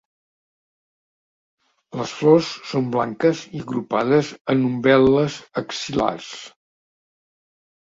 Les flors són blanques i agrupades en umbel·les axil·lars.